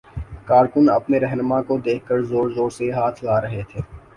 کارکن اپنے راہنما کو دیکھ کر زور زور سے ہاتھ ہلا رہے تھے